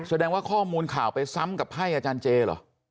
แสดงว่าข้อมูลข่าวไปซ้ำกับไพ่อาจารย์เจเหรอ